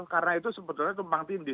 karena itu sebetulnya tumpang pindih